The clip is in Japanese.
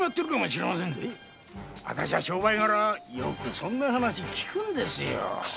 商売がらよくそんな話を聞くんですよ。